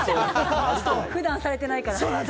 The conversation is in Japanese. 普段されてないから。